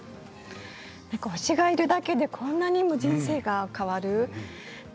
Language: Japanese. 推しがいるだけでこんなにも人生が変わる。